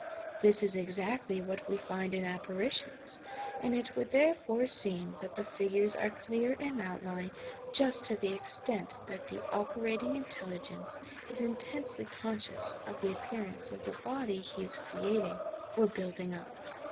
This is exactly what we find in apparitions ; and it would therefore seem that the figures are clear in outline just to the extent that the operating intelligence is intensely conscious of the appearance ol the body he is creating or building up.